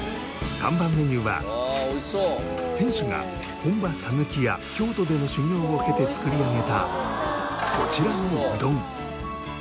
看板メニューは店主が本場さぬきや京都での修業を経て作り上げたこちらのうどん。